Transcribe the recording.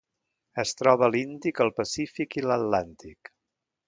Es troba a l'Índic, el Pacífic i l'Atlàntic.